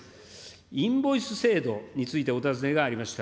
インボイス制度について、お尋ねがありました。